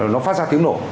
nó phát ra tiếng nổ